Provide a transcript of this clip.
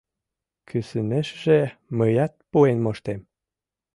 Кӱсынешыже мыят пуэн моштем.